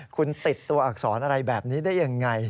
คุณติดตัวอักษรอะไรแบบนี้ได้ยังไง